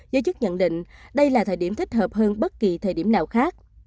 giới chức nhận định đây là thời điểm thích hợp hơn bất kỳ thời điểm nào khác